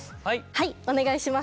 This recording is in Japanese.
はいお願いします。